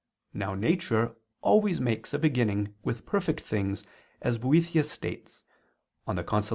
Now nature always makes a beginning with perfect things, as Boethius states (De Consol.